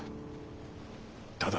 ただ。